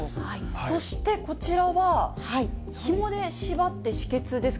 そしてこちらは、ひもで縛って止血ですか？